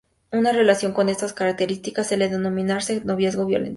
Una relación con estas características suele denominarse noviazgo violento.